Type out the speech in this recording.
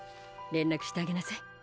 連絡してあげなさい。